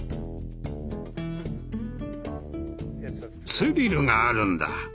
スリルがあるんだ。